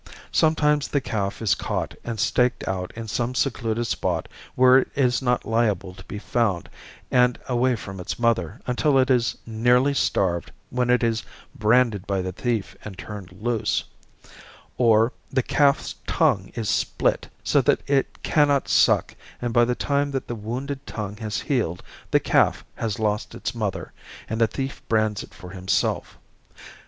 Sometimes the calf is caught and staked out in some secluded spot where it is not liable to be found and away from its mother until it is nearly starved when it is branded by the thief and turned loose; or, the calf's tongue is split so that it cannot suck and by the time that the wounded tongue has healed the calf has lost its mother, and the thief brands it for himself.